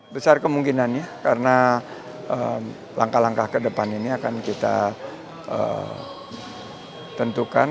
besar kemungkinannya karena langkah langkah ke depan ini akan kita tentukan